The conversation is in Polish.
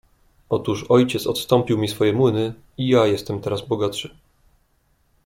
"Otóż ojciec odstąpił mi swoje młyny i ja jestem teraz bogatszy."